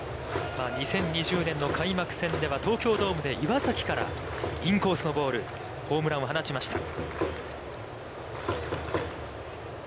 ２０２０年の開幕戦では東京ドームで岩崎からインコースのボール、ホームランを放ちました。